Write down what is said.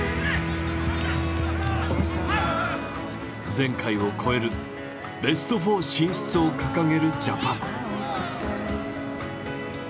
前回を超えるベスト４進出を掲げるジャパン。